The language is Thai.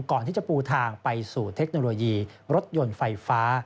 ก่อนที่จะปูทางไปสู่เทคโนโลยีรถยนต์ไฟฟ้า